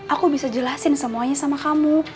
aku bisa jelasin semuanya sama kamu